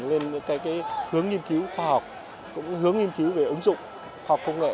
lên những hướng nghiên cứu khoa học cũng hướng nghiên cứu về ứng dụng khoa học công nghệ